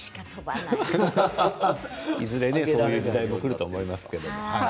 いずれ、そういう時代もくると思います。